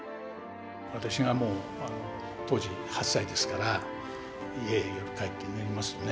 私がもう当時８歳ですから家へ夜帰って寝てますとね